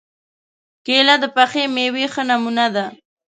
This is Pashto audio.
کېله د پخې مېوې ښه نمونه ده.